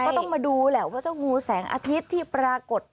ก็ต้องมาดูแหละว่าเจ้างูแสงอาทิตย์ที่ปรากฏ